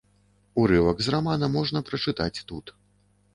Урывак з рамана можна прачытаць тут.